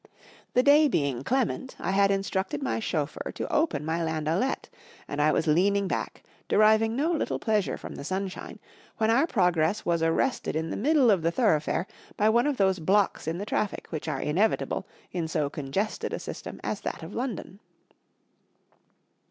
The day being clement, I had instructed my chauffeur to open my landaulette, and 1 was leaning back, deriving no little pleasure from the sunshine, when our progress was arrested in the middle of the thoroughfare by one of those blocks in the traffic which are inevitable in so congested a system as that of London."